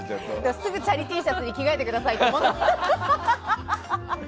すぐチャリＴシャツに着替えてくださいって。